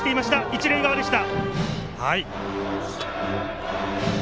一塁側でした。